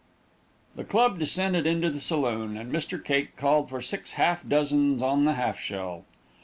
The club descended into the saloon, and Mr. Cake called for six half dozens on the half shell.